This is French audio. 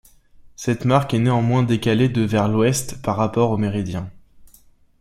Cette marque est néanmoins décalée de vers l'ouest par rapport au méridien.